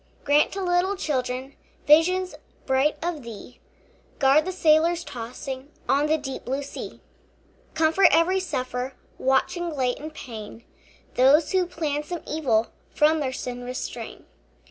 Grant to little children Visions bright of thee; Guard the sailors tossing On the deep blue sea. Comfort every sufferer Watching late in pain; Those who plan some evil From their sin restrain.